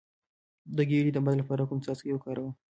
د ګیډې د باد لپاره کوم څاڅکي وکاروم؟